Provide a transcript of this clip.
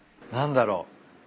何だろう？